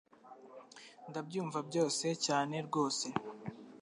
ndabyumva byose cyane rwose